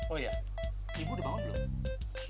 oh iya ibu udah bangun belum